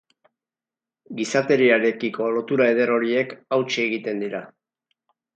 Gizateriarekiko lotura eder horiek hautsi egiten dira.